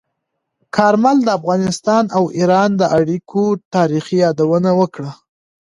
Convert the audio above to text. کارمل د افغانستان او ایران د اړیکو تاریخي یادونه وکړه.